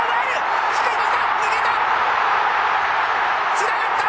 つながった！